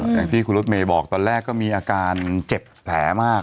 อย่างที่คุณรถเมย์บอกตอนแรกก็มีอาการเจ็บแผลมาก